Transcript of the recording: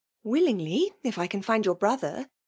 " Williiigly> if I can find your brother.